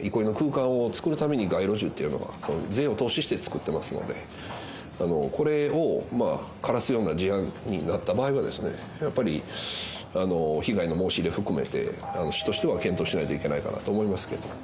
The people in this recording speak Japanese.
憩いの空間を作るために、街路樹っていうのは税を投資して作っていますので、これを枯らすような事案になった場合は、やっぱり被害の申し出を含めて、市としては検討しないといけないかなと思いますけれども。